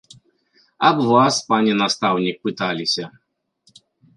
Аб вас, пане настаўнік, пыталіся.